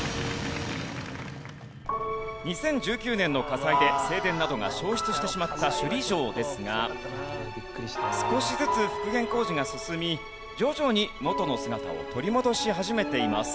２０１９年の火災で正殿などが焼失してしまった首里城ですが少しずつ復元工事が進み徐々に元の姿を取り戻し始めています。